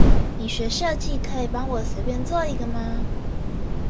你學設計，可以幫我隨便做一個嗎？